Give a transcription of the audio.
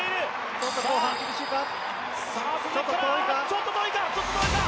ちょっと遠いか？